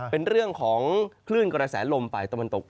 เป็นเรื่องของคลื่นกระแสลมฝ่ายตะวันตก